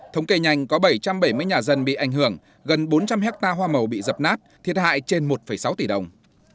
thống kê nhanh có bảy trăm bảy mươi nhà dân bị ảnh hưởng gần bốn trăm linh hectare hoa màu bị dập nát thiệt hại trên một sáu tỷ đồng